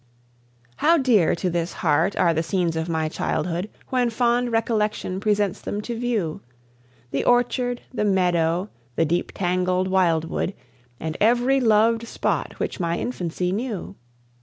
How dear to this heart are the scenes of my childhood, When fond recollection presents them to view! The orchard, the meadow, the deep tangled wild wood, And every loved spot which my infancy knew!